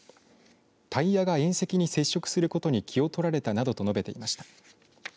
タイヤが縁石に接触することに気を取られたなどと述べていました。